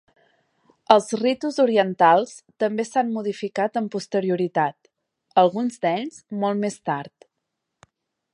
Els ritus orientals també s'han modificat amb posterioritat; alguns d'ells molt més tard.